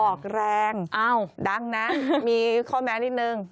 ออกแรงดังนะมีคอมเมนต์นิดหนึ่ง